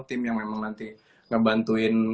tim yang memang nanti ngebantuin